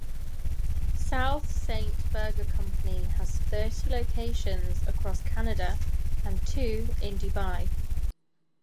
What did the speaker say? South Saint Burger Company has thirty locations across Canada and two in Dubai.